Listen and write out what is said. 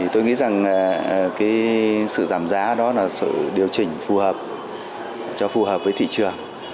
tôi nghĩ rằng cái sự giảm giá đó là sự điều chỉnh phù hợp cho phù hợp với thị trường